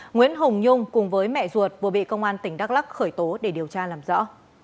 nguyễn hồng nhung cùng với mẹ ruột vừa bị công an tỉnh đắk lắc khởi tố để điều tra làm rõ